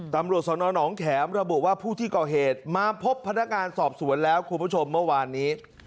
ตำรวจสนหนองแข็มระบุว่าผู้ที่ก่อเหตุมาพบพนักงานสอบสวนแล้วคุณผู้ชมเมื่อวานนี้